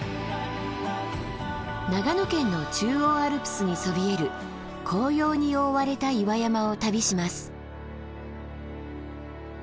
長野県の中央アルプスにそびえる紅葉に覆われた岩山を旅します。